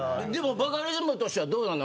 バカリズムとしてはどうなの。